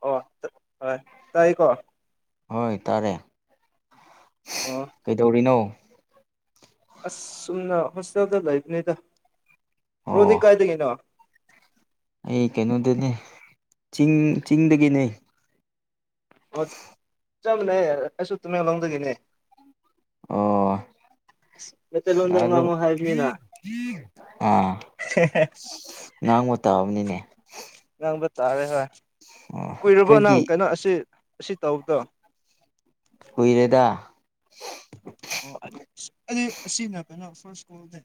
ꯑꯣ ꯍ ꯇꯥꯏꯀꯣ ꯍꯣꯏ ꯇꯥꯔꯦ ꯑꯣ ꯀꯩꯗꯧꯔꯤꯅꯣ ꯑꯁ ꯆꯨꯝꯅ ꯍꯣꯁꯇꯦꯜꯗ ꯂꯩꯕꯅꯤꯗ ꯔꯣꯗꯤ ꯑꯣ ꯀꯥꯏꯗꯒꯤꯅꯣ ꯑꯩ ꯀꯩꯅꯣꯗꯅꯦ ꯆꯤꯡ ꯆꯤꯡꯗꯒꯤꯅꯦ ꯑꯣ ꯆꯠꯂꯦ ꯑꯩꯁꯨ ꯇꯨꯃꯦꯡꯂꯣꯡꯗꯒꯤꯅꯦ ꯑꯣ [unintelligible] ꯑ ꯉꯥꯡꯉꯨ ꯍꯥꯏꯕꯅꯤꯅ ꯑꯥ ꯉꯥꯡꯕꯨ ꯇꯥꯑꯕꯅꯤꯅꯦ ꯈꯪꯕ ꯇꯥꯔꯦ ꯍꯣꯏ ꯑꯣ ꯀꯨꯏꯔꯕꯣ ꯑꯩꯈꯣꯏꯒꯤ ꯅꯪ ꯀꯩꯅꯣ ꯑꯁꯤ ꯑꯁꯤ ꯇꯧꯕꯗꯣ ꯍꯨꯏꯔꯦꯗ ꯑꯣ ꯑꯁꯤꯅ ꯀꯩꯅꯣ ꯐꯔ ꯁꯀꯣꯜꯗ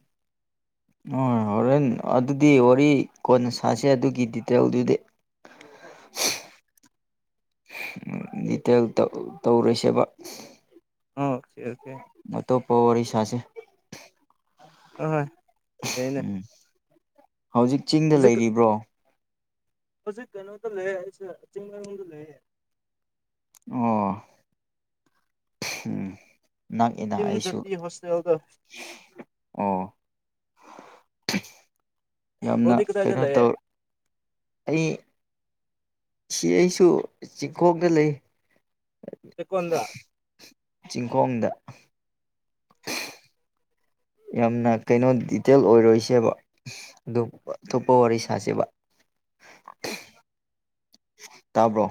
ꯍꯣꯔꯦꯟ ꯑꯗꯨꯗꯤ ꯋꯥꯔꯤ ꯀꯣꯟꯅ ꯁꯥꯁ ꯑꯗꯨꯒꯤ ꯗꯤꯇꯦꯜꯗꯨꯗꯤ ꯇꯦꯜ ꯇꯧꯔꯣꯏꯁꯦꯕ ꯑꯣ ꯁꯤ ꯑꯣꯀꯦ ꯃꯠꯇ ꯄꯣ ꯋꯥꯔꯤ ꯋꯥꯔꯤ ꯁꯥꯁ ꯑ ꯍꯣꯏ ꯍꯅꯦ ꯎꯝ ꯍꯧꯖꯤꯛ ꯆꯤꯡꯗ ꯂꯩꯔꯤꯕ꯭ꯔꯣ ꯍꯧꯖꯤꯛ ꯀꯩꯅꯣꯗ ꯂꯩꯔ ꯑꯩꯁꯦ ꯆꯤꯡꯗ ꯂꯩꯔꯦ ꯑꯣ ꯎꯝ ꯅꯛꯑꯅ ꯇꯤꯝ ꯑꯩꯁꯨ ꯖꯥꯇꯤ ꯍꯣꯁꯇꯦꯜꯗꯣ ꯑꯣ ꯌꯥꯝꯅ ꯕ꯭ꯔꯣꯗꯤ ꯀꯗꯥꯏꯗ ꯀꯩꯅꯣ ꯂꯩꯌꯦ ꯇꯧ ꯑꯩ ꯁꯤ ꯑꯩꯁꯨ ꯆꯤꯡꯈꯣꯛꯗ ꯂꯩ ꯆꯦꯛꯀꯣꯟꯗ ꯆꯤꯡꯈꯣꯡꯗ ꯌꯥꯝꯅ ꯀꯩꯅꯣ ꯗꯤꯇꯦꯜ ꯑꯣꯏꯔꯣꯏꯁꯦꯕ ꯑꯗꯨ ꯑꯇꯣꯞꯄ ꯋꯥꯔꯤ ꯁꯥꯁꯦꯕ ꯇꯥꯕ꯭ꯔꯣ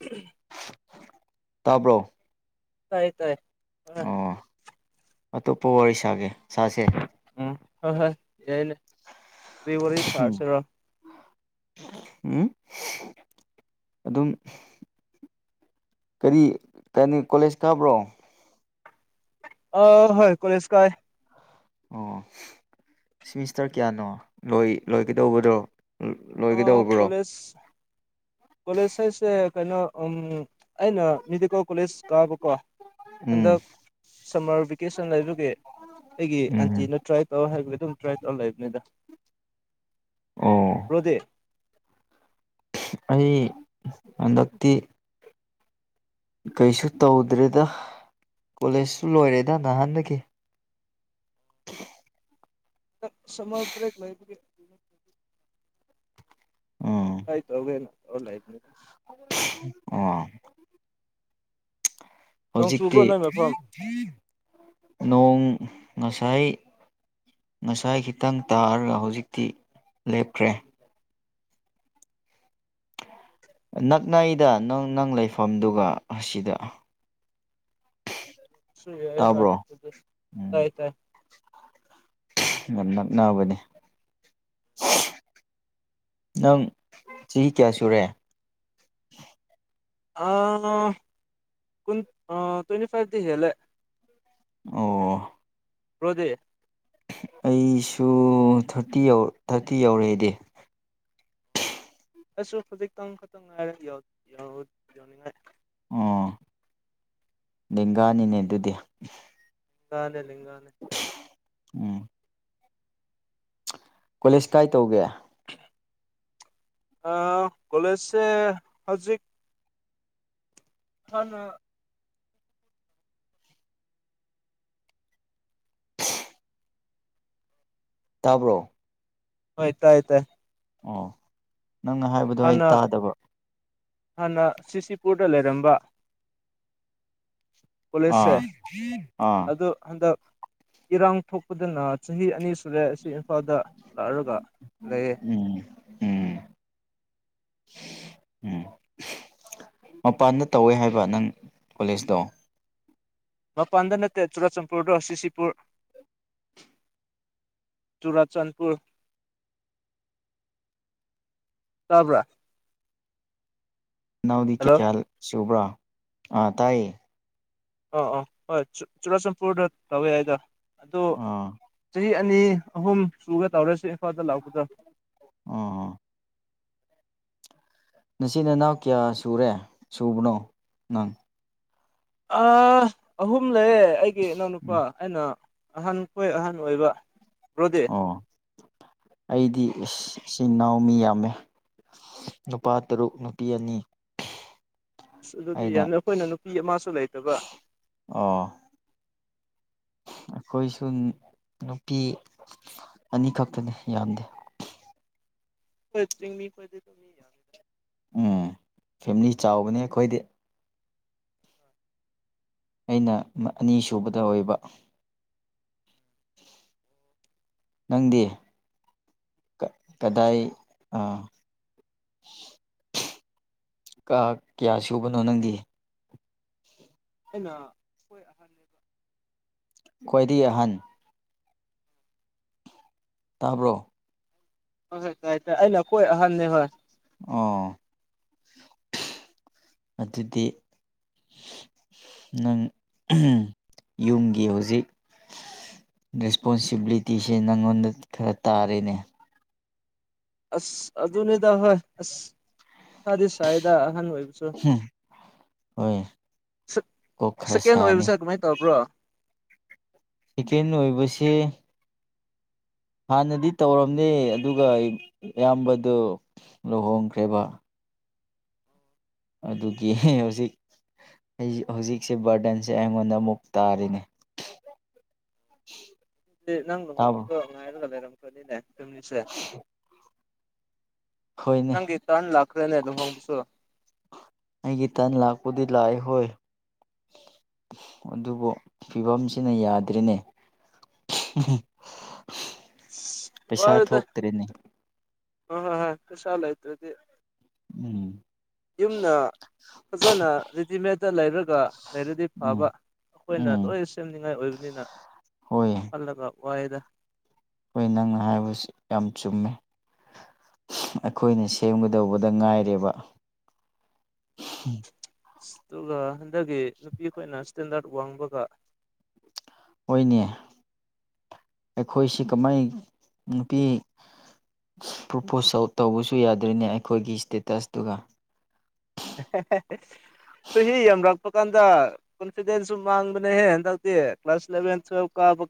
ꯎꯝ ꯇꯥꯕ꯭ꯔꯣ ꯇꯥꯏ ꯇꯥꯏ ꯍꯣꯏ ꯑꯣ ꯑꯇꯣꯞꯄ ꯋꯥꯔꯤ ꯁꯥꯒꯦ ꯁꯥꯁꯦ ꯎꯝ ꯍꯣꯏ ꯍꯣꯏ ꯌꯥꯏꯅꯦ ꯇ ꯋꯥꯔꯤ ꯆꯔꯁꯔꯣ ꯎꯝ ꯑꯗꯨꯝ ꯀꯔꯤ ꯀꯅꯤ ꯀꯣꯂꯦꯖ ꯀꯥꯕ꯭ꯔꯣ ꯑ ꯍꯣꯏ ꯀꯔꯦꯁ ꯀꯥꯏ ꯑꯣ ꯁꯤꯃꯤꯁꯇꯔ ꯀꯌꯥꯅꯣꯣꯏ ꯂꯣꯏꯒꯗꯧꯕꯗ꯭ꯔꯣ ꯑ ꯀꯣꯂꯦꯖ ꯀꯣꯂꯦꯖ ꯍꯥꯏꯁꯦ ꯀꯩꯅꯣ ꯑꯩꯅ ꯃꯦꯗꯤꯀꯦꯜ ꯀꯣꯂꯦꯖ ꯀꯥꯕꯀꯣ ꯎꯝ ꯍꯟꯗꯛ ꯁꯝꯃꯔ ꯚꯦꯀꯦꯁꯟ ꯂꯩꯖꯒꯦ ꯑꯩꯒꯤ ꯎꯝ ꯑꯟꯇꯤꯅ ꯇ꯭ꯔꯥꯏ ꯇꯧ ꯍꯥꯏꯒꯗꯤ ꯑꯗꯨꯝ ꯇ꯭ꯔꯥꯏ ꯇꯧꯔ ꯂꯩꯕꯅꯤꯗ ꯑꯣ ꯕ꯭ꯔꯣꯗꯤ ꯑꯩ ꯍꯟꯗꯛꯇ ꯀꯩꯁꯨ ꯇꯧꯗ꯭ꯔꯦꯗ ꯀꯣꯂꯦꯖꯁꯨ ꯂꯣꯏꯔꯦꯗ ꯅꯍꯥꯟꯗꯒꯤ [unintelligible] ꯁꯔ ꯭ꯔꯦ ꯂꯩꯕ ꯍꯥꯏꯥꯏ ꯑꯒꯦꯅ ꯑꯣꯂꯥꯏꯅꯤꯂ ꯑ ꯅꯣꯡ ꯆꯨꯕ꯭ꯔꯣ ꯍꯧꯖꯤꯛꯇꯤ ꯅꯣꯏ ꯃꯐꯝ ꯅꯣꯡ ꯉꯁꯥꯏ ꯉꯁꯥꯏ ꯈꯤꯇꯪ ꯇꯥꯔꯒ ꯍꯧꯖꯤꯛꯇꯤ ꯂꯦꯞꯈ꯭ꯔꯦ ꯅꯛꯅ ꯑꯩꯗ ꯅꯪ ꯅꯪ ꯂꯩꯐꯝꯗꯨꯒ ꯑꯁꯤꯗ ꯁꯏ ꯌꯥ ꯍꯣꯏ ꯇꯥꯕ꯭ꯔꯣ ꯇꯥꯏ ꯇꯥꯏ ꯉꯅꯎꯕꯅꯦ ꯅꯪ ꯆꯍꯤ ꯀꯌꯥ ꯁꯨꯔꯦ ꯑ ꯀꯟ ꯇ꯭ꯋꯦꯟꯇꯤ ꯐꯥꯏꯚꯗꯤꯦꯂꯦ ꯑꯣ ꯀ꯭ꯔꯣꯗꯦ ꯑꯩꯁꯨ ꯊꯥꯔꯇꯤ ꯊꯥꯔꯇꯤ ꯌꯧꯔꯛꯑꯦꯗꯤ ꯑꯁꯨ ꯈꯖꯤꯛꯇꯪ ꯈꯛꯇꯪ ꯉꯥꯏꯔꯅꯤꯡꯉꯥꯏ ꯑꯣ ꯂꯦꯡꯒꯥꯅꯤꯅꯦ ꯑꯗꯨꯗꯤ ꯀꯅꯦꯦ ꯂꯩꯒꯅꯦꯦ ꯎꯝ ꯀꯣꯂꯦꯖ ꯀꯥꯏ ꯇꯧꯒꯦ ꯑ ꯀꯂꯦꯖꯦ ꯍꯧꯖꯤꯛ ꯍꯅ ꯇꯥꯕ꯭ꯔꯣ ꯇꯥꯏ ꯇꯥꯏ ꯑ ꯍꯥꯟꯅ ꯍꯥꯟꯅ ꯁꯤꯁꯤꯄꯨꯔꯗ ꯂꯩꯔꯝꯕ ꯄꯨꯂꯤꯁꯁꯦ ꯑꯥ ꯑꯥ ꯑꯗꯨ ꯍꯟꯗꯛ ꯏꯔꯥꯡ ꯊꯣꯛꯄꯗꯅ ꯆꯍꯤ ꯑꯅꯤ ꯇꯂꯦ ꯑꯁꯤ ꯏꯝꯐꯥꯜꯗ ꯂꯥꯛꯔꯒ ꯂꯩꯌꯦ ꯎꯝ ꯎꯝ ꯎꯝ ꯃꯄꯥꯟꯗ ꯇꯧꯋꯦ ꯍꯥꯏꯕ ꯅꯪ ꯀꯣꯂꯦꯖꯇꯣ ꯃꯄꯥꯟꯗ ꯅꯠꯇꯦ ꯆꯨꯔꯆꯥꯟꯄꯨꯔꯗꯣ ꯁꯤꯁꯤꯄꯨꯔ ꯆꯨꯔꯆꯥꯟꯄꯨꯔ ꯇꯄ ꯅꯅꯥꯎꯗꯤ ꯀꯩ ꯀꯌꯥ ꯁꯨꯕ꯭ꯔꯥ ꯑ ꯇꯥꯏꯌꯦ ꯑꯥ ꯑꯥ ꯍꯣꯏ ꯆꯨꯔꯆꯥꯟꯄꯨꯔꯗ ꯂꯧꯧꯋꯦ ꯍꯥꯏꯗ ꯑꯗꯨ ꯑꯥ ꯆꯍꯤ ꯑꯅꯤ ꯑꯍꯨꯝ ꯁꯨꯒ ꯇꯧꯔꯁꯤ ꯏꯝꯐꯥꯜꯗ ꯂꯥꯛ ꯑ ꯅꯆꯤꯟ ꯅꯅꯥꯎ ꯀꯌꯥ ꯁꯨꯔꯦ ꯁꯨꯕꯅꯣ ꯅꯪ ꯑ ꯑꯍꯨꯝ ꯂꯩꯌꯦ ꯑꯩꯒꯤ ꯏꯅꯥꯎꯅꯨꯄꯥ ꯎꯝ ꯑꯩꯅ ꯑꯍꯟꯈꯣꯏ ꯑꯍꯟ ꯑꯣꯏꯕ ꯔ꯭ꯔꯣꯗꯦ ꯑꯣ ꯑꯩꯗꯤ ꯏꯆꯤꯟ ꯏꯅꯥꯎ ꯃꯤ ꯌꯥꯝꯃꯦ ꯅꯨꯄꯥ ꯇꯔꯨꯛ ꯅꯨꯄꯤ ꯑꯅꯤ ꯑꯁ ꯑꯗꯨꯗꯤ ꯑꯩꯅ ꯌꯥꯅꯤ ꯑꯩꯈꯣꯏꯅ ꯅꯨꯄꯤ ꯑꯃꯁꯨ ꯂꯩꯇꯕ ꯑꯣ ꯑꯩꯈꯣꯏꯁꯨ ꯅꯨꯄꯤ ꯑꯅꯤꯈꯛꯇꯅꯤ ꯌꯥꯝꯗꯦ ꯐꯁꯤꯡ ꯃꯤ ꯐꯖꯦꯗ ꯃꯤ ꯌꯥꯋꯦꯗ ꯎꯝ ꯐꯦꯃꯤꯂꯤ ꯆꯥꯎꯕꯅꯦ ꯑꯩꯈꯣꯏꯗꯤ ꯑꯩꯅ ꯑꯅꯤ ꯁꯨꯕꯗ ꯑꯣꯏꯕ ꯅꯪꯗꯤ ꯀꯗꯥꯏ ꯑ ꯀꯥ ꯀꯌꯥ ꯁꯨꯕꯅꯣ ꯅꯪꯗꯤ ꯑꯩꯅ ꯍꯣꯏ ꯑꯍꯅꯦꯕ ꯈ꯭ꯣꯏꯗꯤ ꯑꯍꯟ ꯇꯥꯕ꯭ꯔꯣ ꯍ ꯇꯥꯏ ꯇ ꯑꯩꯅ ꯀꯣꯏ ꯑꯍꯟꯅꯤ ꯍꯣꯏ ꯑꯣ ꯑꯗꯨꯗꯤ ꯅꯪ ꯌꯨꯝꯒꯤ ꯍꯧꯖꯤꯛ ꯔꯦꯁꯄꯣꯟꯁꯤꯕꯤꯂꯤꯇꯤꯁꯦ ꯅꯪꯉꯣꯟꯗ ꯈꯔ ꯇꯥꯔꯤꯦꯅꯦ ꯑꯁ ꯑꯗꯨꯅꯤꯗ ꯍꯣꯏ ꯑꯁ ꯃꯈꯥꯗꯤ ꯁ꯭ꯋꯥꯏꯗ ꯑꯍꯟ ꯑꯣꯏꯕ ꯍꯣꯏ ꯀꯣꯈ꯭ꯔ ꯁꯦꯀꯦꯟ ꯁꯥꯅꯤ ꯑꯣꯏꯕꯁꯦ ꯀꯃꯥꯏꯅ ꯇꯧꯕ꯭ꯔꯣ ꯆꯀꯦꯟ ꯑꯣꯏꯕꯕꯁꯤ ꯍꯥꯟꯅꯗꯤ ꯇꯧꯔꯝꯅꯦ ꯑꯗꯨꯒ ꯏꯌꯥꯝꯕꯗ ꯂꯨꯍꯣꯡꯈ꯭ꯔꯦꯕ ꯑꯗꯨꯒꯤ ꯍꯧꯖꯤꯛ ꯑꯩ ꯍꯧꯖꯤꯛꯁꯦ ꯕꯔꯗꯟꯁꯦ ꯑꯩꯉꯣꯟꯗ ꯑꯃꯨꯛ ꯇꯥꯔꯤꯅꯦ [unintelligible] ꯗꯤ ꯅꯪ ꯇꯥꯕ꯭ꯔꯣ ꯂꯨꯍꯣꯡꯕꯗꯣ ꯉꯥꯏꯔꯒ ꯂꯩꯔꯝꯈꯅꯤꯅꯦ ꯆꯨꯝꯃꯤꯁꯦ ꯍꯣꯏꯅꯦ ꯅꯪꯒꯤ ꯇꯥꯥꯟ ꯂꯈ꯭ꯔꯦꯅꯦ ꯑꯗꯨ ꯍꯣꯡꯁꯨꯣꯔ ꯑꯩꯒꯤ ꯒꯤ ꯇꯅ ꯂꯥꯛ ꯀꯨꯗꯤ ꯂꯑ ꯍꯣꯏ ꯑꯗꯨꯕꯨ ꯐꯤꯚꯝꯁꯤꯅ ꯌꯥꯗ꯭ꯔꯤꯅꯦ ꯄꯩꯁꯥ ꯊꯣꯛꯇ꯭ꯔꯦꯅꯦ ꯍ ꯍ ꯍꯁꯜꯥꯏ ꯑꯗꯨꯗꯤ ꯎꯝ ꯌꯨꯝꯅ ꯐꯖꯅ ꯔꯦꯗꯤꯃꯦꯠꯇ ꯂꯩꯔꯒ ꯂꯩꯔꯗꯤ ꯎꯝ ꯐꯕ ꯑꯩꯈꯣꯏꯅ ꯎꯝ ꯂꯣꯏ ꯁꯦꯝꯅꯤꯡꯉꯥꯏ ꯑꯣꯏꯕꯅꯤꯅ ꯍꯣꯏ ꯌꯥ ꯈꯜꯂꯒ ꯋꯥꯏꯗ ꯑꯩꯈꯣꯏ ꯅꯪꯅ ꯍꯥꯏꯕꯁꯤ ꯌꯥꯝ ꯆꯨꯝꯃꯦ ꯑꯩꯈꯣꯏꯅ ꯁꯦꯝꯒꯗꯧꯕꯗ ꯉꯥꯏꯔꯦꯕ ꯑꯗꯨꯒ ꯍꯟꯗꯛꯀꯤ ꯅꯨꯄꯤ ꯑꯩꯈꯣꯏꯅ ꯏꯁꯇꯦꯟꯗꯔꯠ ꯋꯥꯡꯕꯒ ꯑꯣꯏꯅꯤ ꯑꯩꯈꯣꯏꯁꯤ ꯀꯃꯥꯏ ꯅꯨꯄꯤ ꯄ꯭ꯔꯣꯄꯣꯁꯥꯎꯠ ꯇꯧꯕꯁꯨ ꯌꯥꯗ꯭ꯔꯤꯅꯦ ꯑꯩꯈꯣꯏꯒꯤ ꯏꯁꯇꯦꯇꯁꯇꯨꯒ [unintelligible] ꯁꯣ ꯍ ꯌꯥꯝ ꯂꯥꯛꯛꯄ ꯀꯥꯟꯗ ꯀꯣꯟꯐꯤꯗꯦꯟꯁꯁꯨ ꯃꯥꯡꯕꯅꯦꯍꯦ ꯍꯟꯗꯛꯇꯤ ꯀ꯭ꯂꯥꯁ ꯏꯂꯦꯚꯦꯟ ꯇꯨꯋꯜꯐꯀ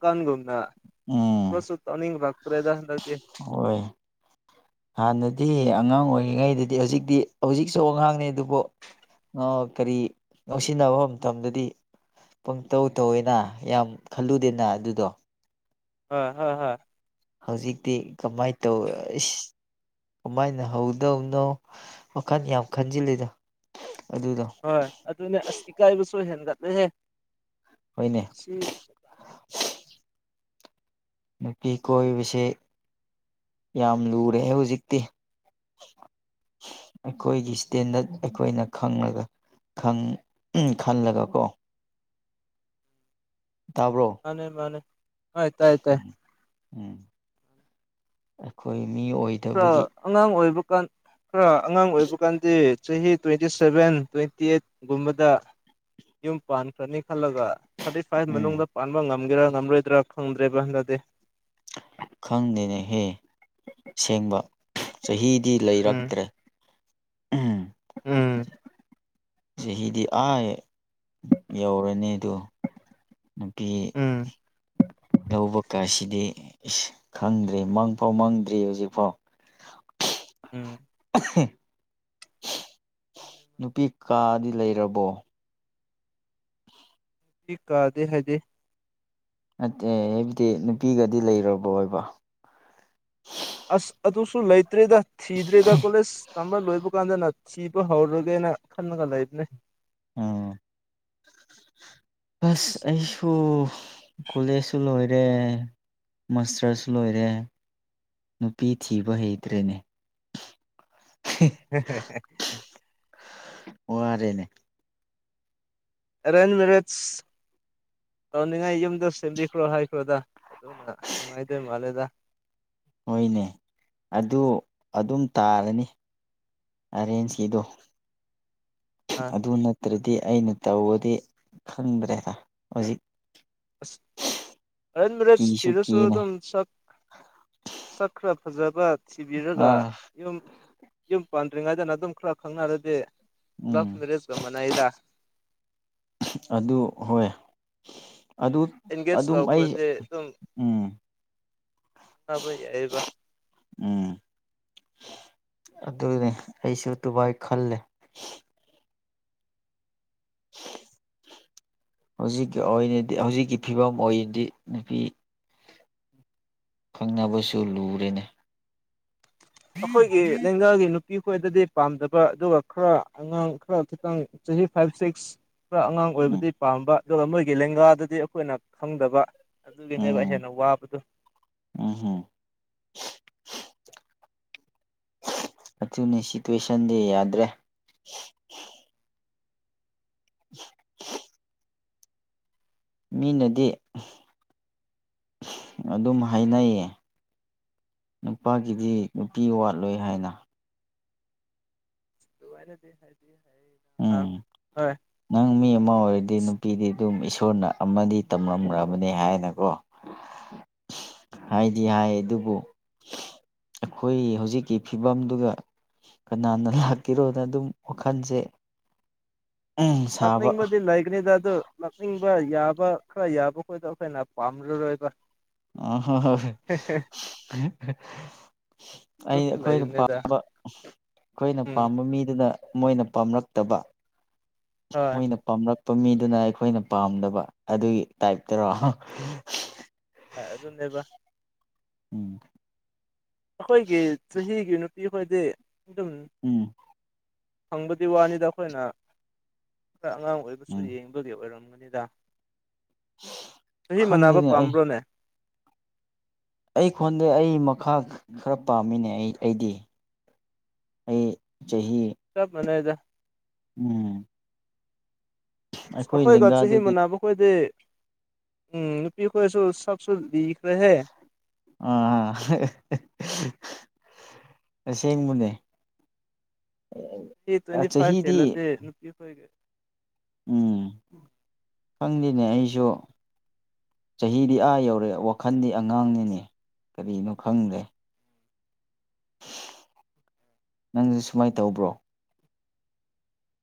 ꯎꯝ ꯀꯥꯟꯒꯨꯝꯅꯣꯁꯨꯧꯅꯤ ꯐ ꯇ꯭ꯔꯦꯗ ꯂꯗꯤ ꯍꯣꯏ ꯍꯥꯟꯅꯗꯤ ꯑꯉꯥꯡ ꯑꯣꯏꯔꯤꯉꯩꯗꯗꯤ ꯍꯧꯖꯤꯛꯇꯤ ꯍꯧꯖꯤꯛꯁꯨ ꯑꯉꯥꯡꯅꯦ ꯑꯗꯨꯕꯨ ꯑ ꯀꯔꯤ ꯂꯧꯁꯤꯟꯅꯕ ꯃꯇꯝꯗꯗꯤ ꯄꯪꯇꯧ ꯇꯧꯋꯦꯅ ꯌꯥꯝ ꯈꯜꯂꯨꯗꯦꯅ ꯑꯗꯨꯗꯣ ꯍ ꯍꯣꯏ ꯍꯣꯏ ꯍꯧꯖꯤꯛꯇꯤ ꯀꯃꯥꯏꯅ ꯇꯧ ꯀꯃꯥꯏꯅ ꯍꯧꯗꯧꯅꯣ ꯋꯥꯈꯜ ꯌꯥꯝ ꯈꯟꯖꯤꯜꯂꯤꯗ ꯑꯗꯨꯗꯣ ꯍꯣꯏ ꯑꯗꯨꯅꯦ ꯑꯁ ꯏꯀꯥꯏꯕꯁꯨ ꯍꯦꯟꯒꯠꯂꯨꯍꯦ ꯍꯣꯏꯅꯦ ꯁꯤ ꯅꯨꯄꯤ ꯀꯣꯏꯕꯁꯦ ꯌꯥꯝ ꯂꯨꯔꯦ ꯍꯧꯖꯤꯛꯇꯤ ꯑꯩꯈꯣꯏꯒꯤ ꯏꯁꯇꯦꯟꯗꯔꯠ ꯑꯩꯈꯣꯏꯅ ꯈꯪꯉꯒ ꯎ ꯈꯜꯂꯒ ꯀꯣ ꯃꯥꯅꯦ ꯃꯥꯅꯦ ꯍꯥꯏ ꯇꯥꯏ ꯇꯥꯏ ꯎꯝ ꯎꯝ ꯑꯩꯈꯣꯏ ꯃꯤ ꯈꯔ ꯑꯣꯏꯗꯕꯒꯤ ꯑꯉꯥꯡ ꯑꯣꯏꯕ ꯀꯥꯟ ꯈꯔ ꯑꯉꯥꯡ ꯑꯣꯏꯕ ꯀꯥꯟꯗꯤ ꯆꯍꯤ ꯇ꯭ꯋꯦꯟꯇꯤ ꯁꯚꯦꯟ ꯇ꯭ꯋꯦꯟꯇꯤ ꯑꯩꯠꯒꯨꯝꯕꯗ ꯌꯨꯝ ꯄꯥꯟꯈ꯭ꯔꯅꯤ ꯈꯜꯂꯒ ꯊꯥꯔꯇꯤ ꯐꯥꯏꯚ ꯎꯝ ꯃꯅꯨꯡꯗ ꯄꯥꯟꯕ ꯉꯝꯒꯦꯔꯥ ꯉꯝꯂꯣꯏꯗ꯭ꯔꯥ ꯈꯪꯗ꯭ꯔꯦꯕ ꯍꯟꯗꯗꯤ ꯈꯪꯗꯦꯅꯦꯍꯦ ꯁꯦꯡꯕ ꯆꯍꯤꯗꯤ ꯎꯝ ꯂꯩꯔꯛꯇ꯭ꯔꯦ ꯎꯝ ꯎꯝ ꯆꯍꯤꯗꯤ ꯑꯥꯏ ꯌꯧꯔꯅꯤꯗꯣ ꯅꯨꯄꯤ ꯎꯝ ꯂꯧꯕ ꯀꯥꯁꯤꯗꯤ ꯈꯪꯗ꯭ꯔꯤ ꯃꯪꯐꯥꯎ ꯃꯪꯗ꯭ꯔꯤ ꯍꯧꯖꯤꯛꯐꯥꯎ [unintelligible] ꯎꯝ ꯅꯨꯄꯤ ꯀꯥꯗꯤ ꯂꯩꯔꯕꯣ [unintelligible] ꯄ ꯀꯥꯗꯦ ꯍꯥꯏꯗꯤꯦ ꯅꯠꯇꯦ ꯍꯥꯏꯕꯗꯤ ꯅꯨꯄꯤꯒꯗꯤ ꯂꯩꯔꯕ ꯑꯣꯏꯕ ꯑꯁ ꯑꯗꯨꯁꯨ ꯂꯩꯇ꯭ꯔꯦꯗ ꯊꯤꯗ꯭ꯔꯦꯗ ꯀꯣꯂꯦꯁ ꯇꯝꯕ ꯂꯣꯏꯕ ꯀꯥꯟꯗꯅ ꯊꯤꯕ ꯍꯧꯔꯒꯦꯅ ꯈꯟꯂꯒ ꯂꯩꯕꯅꯦ ꯑꯝ ꯁ ꯑꯁꯨꯣ ꯀꯣꯂꯦꯖꯁꯨ ꯂꯣꯏꯔꯦ ꯃꯥꯁꯇꯔꯁꯨ ꯂꯣꯏꯔꯦ ꯅꯨꯄꯤ ꯊꯤꯕ ꯍꯩꯇ꯭ꯔꯦꯅꯦ [unintelligible] ꯋꯥ ꯑꯔꯦꯅꯦ ꯑꯦꯔꯦꯟꯖ ꯃꯤꯔꯤꯠꯁ ꯇꯧꯅꯤꯡꯉꯥꯏ ꯌꯨꯝꯗ ꯁꯦꯝꯕꯤꯈ꯭ꯔꯣ ꯍꯥꯏꯈ꯭ꯔꯣꯗ ꯑꯗꯨꯅ ꯅꯨꯡꯉꯥꯏꯗꯣꯏ ꯃꯥꯜꯂꯦꯗ ꯍꯣꯏꯅꯦ ꯑꯗꯨ ꯑꯗꯨꯝ ꯇꯥꯔꯅꯤ ꯑꯔꯦꯟꯖ ꯀꯗꯣ ꯑꯥ ꯑꯗꯨ ꯅꯠꯇ꯭ꯔꯗꯤ ꯑꯩꯅ ꯇꯧꯔꯗꯤ ꯈꯪꯗ꯭ꯔꯦꯗ ꯍꯧꯖꯤꯛ ꯁꯟ ꯀꯤꯁꯨ ꯁꯤꯔ ꯀꯤꯅꯦ ꯁꯣꯗꯝ ꯁ ꯁꯈ꯭ꯔꯠ ꯐꯖꯕ ꯊꯤꯕꯤꯔꯒ ꯑꯥ ꯌꯨꯝ ꯌꯨꯝ ꯄꯥꯟꯗ꯭ꯔꯤꯉꯩꯗꯅ ꯑꯗꯨꯝ ꯈꯔ ꯈꯪꯅꯔꯗꯤ ꯎꯝ ꯂꯚ ꯃꯦꯔꯦꯖꯒ ꯃꯅꯥꯏꯗ ꯑꯗꯨ ꯍꯣꯏ ꯑꯗꯨ ꯑꯦꯡꯒꯦꯖ ꯑꯗꯨꯝ ꯑꯩ ꯇꯧꯈ꯭ꯔꯗꯤ ꯎꯝ ꯑꯕꯩ ꯑꯕ ꯎꯝ ꯑꯗꯨꯅꯦ ꯑꯩꯁꯨ ꯗꯨꯕꯥꯥꯏ ꯈꯜꯂꯦ ꯎ ꯍꯧꯖꯤꯛꯀꯤ ꯑꯣꯏꯅꯗꯤ ꯍꯧꯖꯤꯛꯀꯤ ꯐꯤꯕꯝ ꯑꯣꯏꯅꯗꯤ ꯅꯨꯄꯤ ꯈꯪꯅꯕꯁꯨ ꯂꯔꯤꯦꯅꯤ ꯑꯩꯈꯣꯏꯒꯤ ꯂꯒꯥꯒꯤ ꯅꯨ ꯄꯤ ꯈꯣꯏꯗꯗꯤ ꯄꯥꯝꯗꯕ ꯑꯗꯨꯒ ꯈꯔ ꯑꯉꯥꯡ ꯈꯔ ꯈꯤꯇꯪ ꯆꯍꯤ ꯐꯥꯏꯚ ꯁꯤꯛꯁ ꯈ ꯑꯉꯥꯡ ꯎꯝ ꯑꯣꯏꯕꯗꯤ ꯄꯥꯝꯕ ꯑꯗꯨꯒ ꯃꯣꯏꯒꯤ ꯂꯦꯡꯒꯥꯗꯗꯤ ꯑꯩꯈꯣꯏꯅ ꯈꯪꯗꯕ ꯑꯗꯨꯒꯤꯅꯦꯕ ꯎꯝ ꯍꯦꯟꯅ ꯋꯥꯕꯗꯣ ꯎꯝꯍꯨꯝ [inaudible] ꯑꯗꯨꯅꯤ ꯁꯤꯇꯨꯋꯦꯁꯟꯗꯤ ꯌꯥꯗ꯭ꯔꯦ [unintelligible] ꯃꯤꯅꯗꯤ ꯑꯗꯨꯝ ꯍꯥꯏꯅꯩꯌꯦ ꯅꯨꯄꯥꯒꯤꯗꯤ ꯅꯨꯄꯤ ꯋꯥꯠꯂꯣꯏ ꯍꯥꯏꯅ ꯑꯗꯨꯋꯥꯔꯦꯗꯤ ꯍꯥꯏꯗꯤ ꯍꯥꯏ ꯎꯝ ꯍꯣꯏ ꯅꯪ ꯃꯤ ꯑꯃ ꯑꯣꯏꯔꯗꯤ ꯅꯨꯄꯤꯗꯤ ꯑꯗꯨꯝ ꯨꯅ ꯑꯃꯗꯤ ꯇꯝꯂꯝꯈ꯭ꯔꯕꯅꯤ ꯍꯥꯏꯅꯀꯣ ꯍꯥꯏꯗꯤ ꯍꯥꯏ ꯑꯗꯨꯕꯨ ꯑꯩꯈꯣꯏ ꯍꯧꯖꯤꯛꯀꯤ ꯐꯤꯕꯝꯗꯨꯒ ꯀꯅꯥꯅ ꯂꯥꯛꯀꯤꯔꯣꯅ ꯑꯗꯨꯝ ꯋꯥꯈꯜꯁꯦ ꯂꯛꯅ ꯁꯥꯕ ꯃꯗꯤ ꯂꯥꯏꯛꯅꯦ ꯇꯗ ꯂꯛꯅꯤꯡ ꯈꯔ ꯌꯥꯕ ꯈꯔ ꯌꯥꯕ ꯈꯣꯏꯗꯣ ꯑꯩꯈꯣꯏꯅ ꯄꯥꯝꯂꯔꯣꯏꯕ ꯑ ꯍ ꯍ ꯑꯩꯅ ꯑꯗꯨꯁꯨ ꯑꯩꯈꯣꯏꯅ ꯂꯩꯕꯅꯤꯗ ꯄꯥꯝꯕ ꯑꯩꯈꯣꯏꯅ ꯎꯝ ꯄꯥꯝꯕ ꯃꯤꯗꯨꯅ ꯃꯣꯏꯅ ꯄꯥꯝꯂꯛꯇꯕ ꯍꯣꯏ ꯃꯣꯏꯅ ꯄꯥꯝꯔꯛ ꯆꯄ ꯃꯤꯗꯨꯅ ꯑꯩꯈꯣꯏꯅ ꯄꯥꯝꯗꯕ ꯑꯗꯨꯒꯤ ꯇꯥꯏꯞꯇꯔꯣ ꯑꯗꯨ ꯅꯦꯕ ꯎꯝ ꯑꯩꯈꯣꯏꯒꯤ ꯆꯍꯤꯒꯤ ꯅꯨꯄꯤꯈꯣꯏꯗꯤ ꯑꯗꯨꯝ ꯎꯝ ꯐꯪꯕꯗꯤ ꯋꯥꯅꯤꯗ ꯑꯩꯈꯣꯏꯅ ꯈꯔ ꯑꯉꯥꯡ ꯑꯣꯏꯕꯁꯨ ꯎꯝ ꯌꯦꯡꯕꯒꯤ ꯑꯣꯏꯔꯝꯒꯅꯤꯗ ꯆꯍꯤ ꯃꯅꯥꯕ ꯈꯪꯗꯦꯅꯦ ꯑꯩ ꯄꯥꯝꯕ꯭ꯔꯣꯅꯦ ꯑꯩ ꯈꯣꯟꯗꯦ ꯑꯩ ꯈꯥ ꯈꯔ ꯄꯥꯝꯃꯤꯅꯦ ꯑꯩ ꯑꯩꯗꯤ ꯑꯩ ꯆꯍꯤ ꯁꯣꯞ ꯃꯅꯦꯗ ꯎꯝ ꯑꯩꯈꯣꯏ ꯑꯩꯈꯣꯏꯒ ꯆꯍꯤ ꯂꯦꯡꯒꯥꯗꯨꯗꯤ ꯃꯥꯟꯅꯕ ꯈꯣꯏꯗꯤ ꯎꯝ ꯅꯨꯄꯤꯈꯣꯏꯁꯨ ꯁꯛꯁꯨ ꯂꯤ ꯑꯥ ꯑꯁꯤꯁ ꯃꯅꯦꯦ ꯁꯤ ꯇ꯭ꯋꯦꯟꯇꯤ ꯐꯥꯏꯚ ꯍꯦꯦꯜꯂꯗꯤꯦ ꯅꯨꯄꯤꯈꯣꯏꯒꯦ ꯎꯝ ꯈꯪꯗꯦꯅꯦ ꯑꯩꯁꯨ ꯆꯍꯤꯗꯤ ꯑꯥ ꯌꯧꯔꯦ ꯋꯥꯈꯜꯗꯤ ꯑꯉꯥꯡꯅꯤꯅꯦ ꯀꯔꯤꯅꯣ ꯈꯪꯗꯦ ꯅꯪꯁꯦ ꯁꯨꯃꯥꯏ ꯇꯧꯕ꯭ꯔꯣ